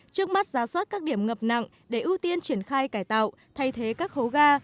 trước mắt giá soát các điểm ngập nặng để ưu tiên triển khai cải tạo thay thế các hố ga